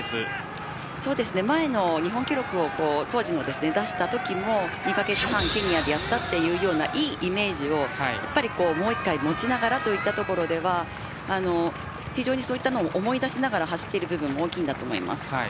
前の日本記録を出したときも１カ月半ケニアでやったといういいイメージをもう一度持ちながらというところでそれを思い出しながら走っている部分も大きいと思います。